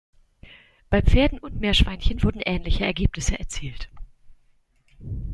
Bei Pferden und Meerschweinchen wurden ähnliche Ergebnisse erzielt.